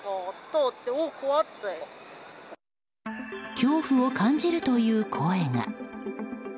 恐怖を感じるという声が。